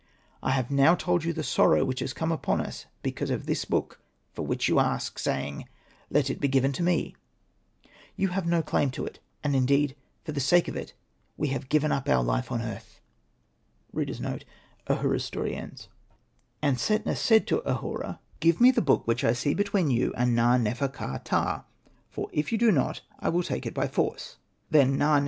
'' I have now told you the sorrow which has come upon us because of this book for which you ask, saying, ' Let it be given to me/ You have no claim to it ; and, indeed, for the sake of it, we have given up our life on earth/' And Setna said to Ahura, "Give me the Hosted by Google io8 SETNA AND THE MAGIC BOOK book which I see between you and Na.nefer. ka.ptah ; for if you do not I will take it by force/' Then Na.